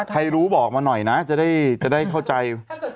ใครรู้บอกมาหน่อยนะจะได้เข้าใจ